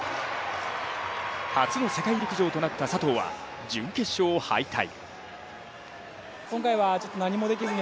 初の世界陸上となった佐藤は準決勝敗退。